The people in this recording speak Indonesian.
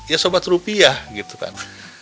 ya sobat rupiah gitu kan